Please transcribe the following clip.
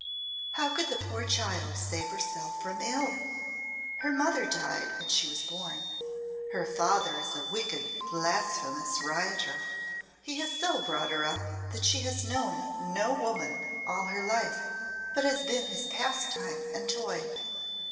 How could the poor child save herself from ill? Her mother died when she was born; her father is a wicked blasphemous rioter. He has so brought her up that she has known no woman all her life, but has been his pastime and toy.